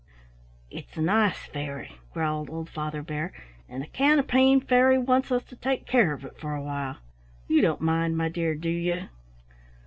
"It's an ice fairy," growled old Father Bear, "and the Counterpane Fairy wants us to take care of it for a while. You don't mind, my dear, do you?"